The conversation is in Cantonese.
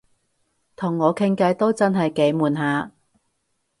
同我傾偈都真係幾悶下